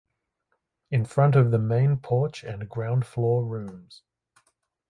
In front of the main porch and ground floor rooms.